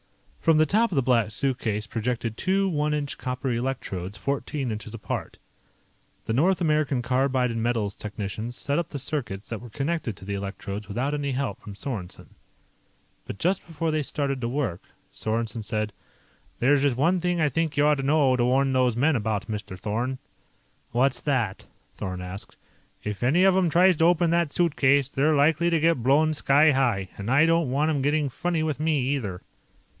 From the top of the Black Suitcase projected two one inch copper electrodes, fourteen inches apart. The North American Carbide & Metals technicians set up the circuits that were connected to the electrodes without any help from Sorensen. But just before they started to work, Sorensen said: "There's just one thing I think you ought to warn those men about, Mr. Thorn." "What's that?" Thorn asked. "If any of 'em tries to open that suitcase, they're likely to get blown sky high. And I don't want 'em getting funny with me, either."